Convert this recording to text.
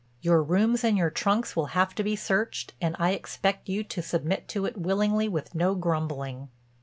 Your rooms and your trunks will have to be searched and I expect you to submit to it willingly with no grumbling."